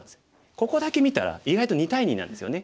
ここだけ見たら意外と２対２なんですよね。